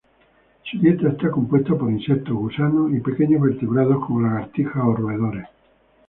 Su dieta está compuesta por insectos, gusanos y pequeños vertebrados como lagartijas o roedores.